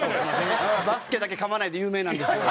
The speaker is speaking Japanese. バスケだけ噛まないで有名なんですよ。